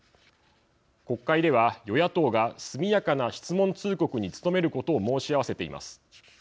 国会では、与野党が速やかな質問通告に努めることを申し合わせています。